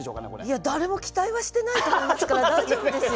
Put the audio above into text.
いや誰も期待はしてないと思いますから大丈夫ですよ。